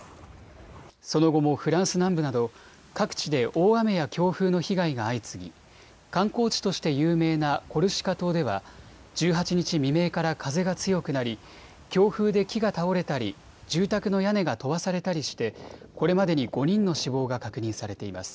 その後もフランス南部など各地で大雨や強風の被害が相次ぎ観光地として有名なコルシカ島では１８日未明から風が強くなり強風で木が倒れたり住宅の屋根が飛ばされたりしてこれまでに５人の死亡が確認されています。